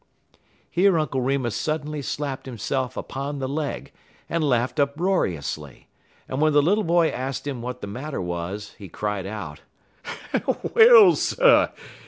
Here Uncle Remus suddenly slapped himself upon the leg, and laughed uproariously; and when the little boy asked him what the matter was, he cried out: "Well, sir!